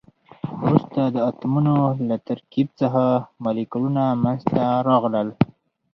وروسته د اتمونو له ترکیب څخه مالیکولونه منځ ته راغلل.